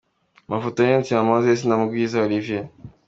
Amafoto: Niyonzima Moses na Mugwiza Olivier.